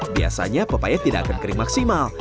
biasanya pepaya tidak akan kering maksimal